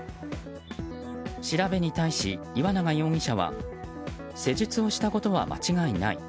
調べに対し、岩永容疑者は施術をしたことは間違いない。